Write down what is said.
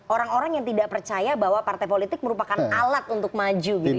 orang orang yang tidak percaya bahwa partai politik merupakan alat untuk maju gitu ya